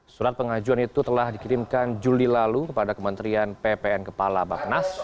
surat pengajuan itu telah dikirimkan juli lalu kepada kementerian ppn kepala bapenas